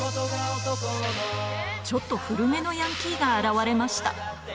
ちょっと古めのヤンキーが現れました。